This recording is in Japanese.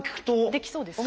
できそうですか？